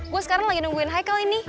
gue sekarang lagi nungguin hicle ini